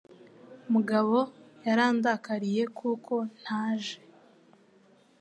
Mugabo yarandakariye kuko ntaje.